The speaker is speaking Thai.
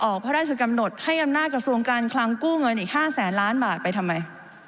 พระราชกำหนดให้อำนาจกระทรวงการคลังกู้เงินอีก๕แสนล้านบาทไปทำไม